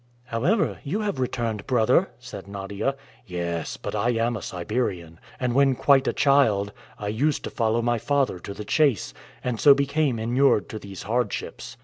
"However, you have returned, brother," said Nadia. "Yes, but I am a Siberian, and, when quite a child, I used to follow my father to the chase, and so became inured to these hardships.